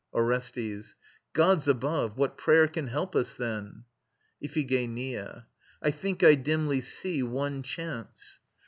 ORESTES. Gods above! What prayer Can help us then? IPHIGENIA. I think I dimly see One chance.